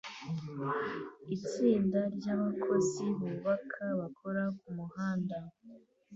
itsinda ryabakozi bubaka bakora kumuhanda